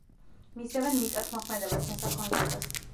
მისდევენ მიწათმოქმედებას, მესაქონლეობას.